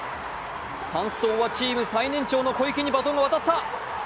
３走はチーム最年長の小池にバトンが渡った。